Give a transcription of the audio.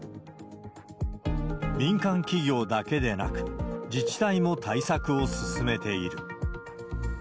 民間企業だけでなく、自治体も対策を進めている。